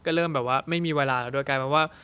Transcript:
ก็เริ่มไม่มีเวลาแล้ว